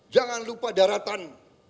jangan lupa daratan